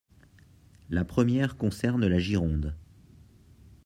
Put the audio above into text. La première concerne la Gironde.